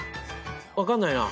分かんないな。